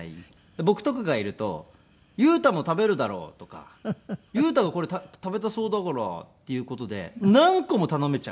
僕とかがいると「裕太も食べるだろ」とか「裕太がこれ食べたそうだから」っていう事で何個も頼めちゃう。